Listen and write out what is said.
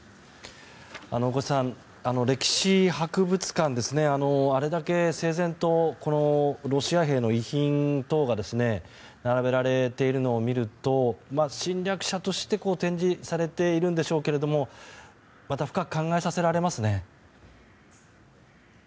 大越さん、歴史博物館であれだけ整然とロシア兵の遺品等が並べられているのを見ると侵略者として展示されているんでしょうけどまた深く考えさせられますね。